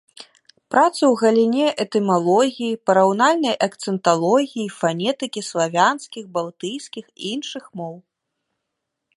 Працы ў галіне этымалогіі, параўнальнай акцэнталогіі і фанетыкі славянскіх, балтыйскіх і іншых моў.